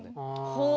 ほう。